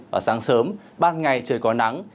và sáng sớm ban ngày trời có nắng